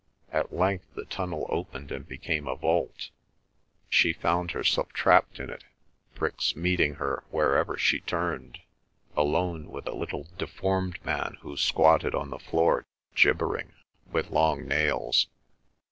At length the tunnel opened and became a vault; she found herself trapped in it, bricks meeting her wherever she turned, alone with a little deformed man who squatted on the floor gibbering, with long nails.